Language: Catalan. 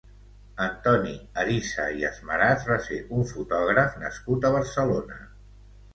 Antoni Arissa i Asmarats va ser un fotògraf nascut a Barcelona.